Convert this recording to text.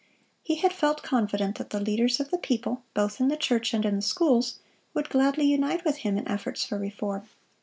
He had felt confident that the leaders of the people, both in the church and in the schools, would gladly unite with him in efforts for reform.